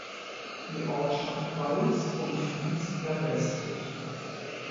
Die Ortschaft Vals umfließt er westlich.